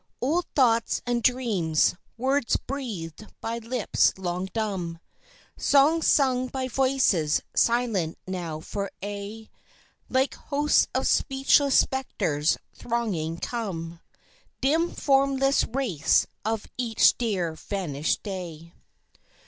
Old thoughts and dreams, words breathed by lips long dumb, Songs sung by voices silent now for aye, Like hosts of speechless spectres thronging come Dim formless wraiths of each dear vanished day.